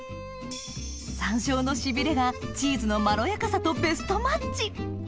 山椒のシビれがチーズのまろやかさとベストマッチ